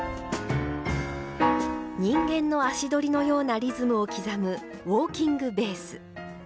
人間の足取りのようなリズムを刻むウォーキングベース。